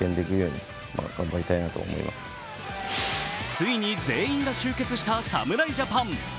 ついに全員が集結した侍ジャパン。